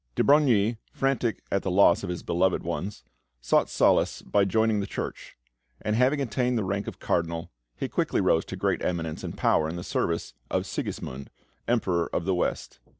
De Brogni, frantic at the loss of his beloved ones, sought solace by joining the Church; and having attained to the rank of a Cardinal, he quickly rose to great eminence and power in the service of Sigismund, Emperor of the West.